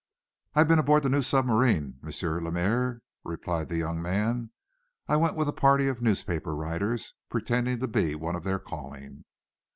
"I've been aboard the new submarine, Monsieur Lemaire," replied the young man. "I went with a party of newspaper writers, pretending to be one of their calling."